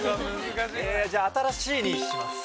じゃあ「あたらしい」にします。